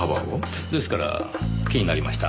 ですから気になりました。